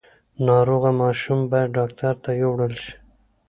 ناروغه ماشوم باید ډاکټر ته یووړل شي۔